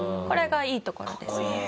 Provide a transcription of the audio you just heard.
これがいいところですね。